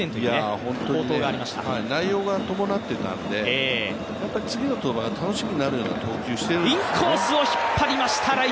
内容が伴っていたんで次の登板が楽しめるような登板をしているんですよね。